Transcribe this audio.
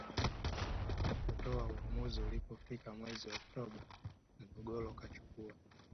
kutoa uamuzi Ulipofika mwezi Oktoba mgogoro ukachukua